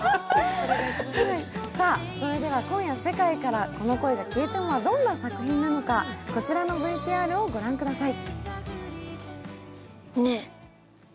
それでは「今夜、世界からこの恋が消えても」はどんな作品なのかこちらのＶＴＲを御覧ください。